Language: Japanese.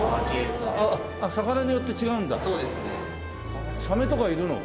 サメとかいるの？